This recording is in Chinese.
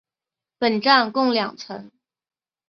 本站共两层。